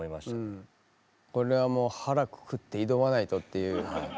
これはもう腹くくって挑まないとっていう。